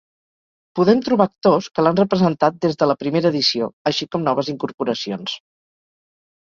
Podem trobar actors que l'han representat des de la primera edició, així com noves incorporacions.